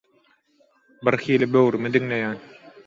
birhili böwrümi diňleýän.